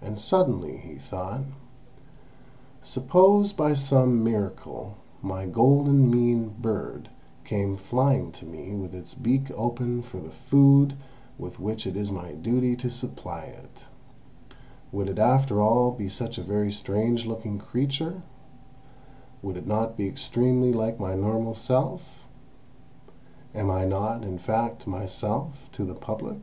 And suddenly he thought: "Suppose, by some miracle, my golden mean bird came flying to me with its beak open for the food with which it is my duty to supply it—would it after all be such a very strange looking creature; would it not be extremely like my normal self? Am I not, in fact, myself the Public?